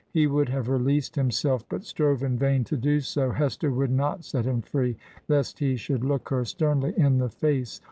He would have released himself, but strove in vain to do so. Hester would not set him free, lest he should look her sternly in the face.